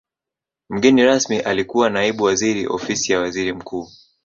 mgeni rasmi alikuwa naibu waziri ofisi ya waziri mkuu